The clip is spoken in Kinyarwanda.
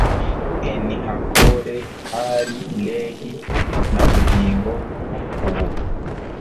enihakore hari lehi na bugingo n ubu